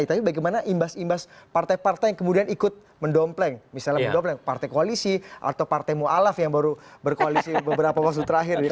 tapi bagaimana imbas imbas partai partai yang kemudian ikut mendompleng misalnya mendompleng partai koalisi atau partai ⁇ mualaf ⁇ yang baru berkoalisi beberapa waktu terakhir ya